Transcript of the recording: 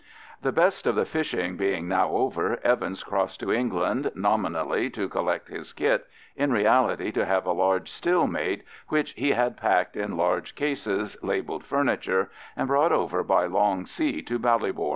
The best of the fishing being now over, Evans crossed to England, nominally to collect his kit, in reality to have a large still made, which he had packed in large cases, labelled furniture, and brought over by long sea to Ballybor.